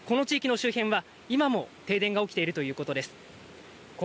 この地域の周辺は今も停電が起きているということです。